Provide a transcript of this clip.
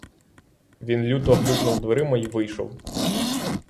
Він люто грюкнув дверима й вийшов.